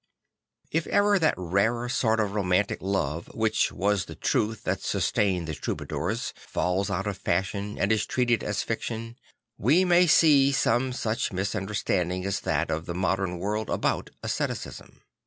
If ever that rarer sort of romantic love, which was the truth that sustained the Troubadours, falls out of fashion and is treated as fiction, we may see some such misunderstanding as that of the modern world about asceticism.